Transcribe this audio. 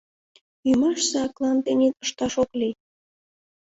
Ӱмашсе аклан тений ышташ ок лий!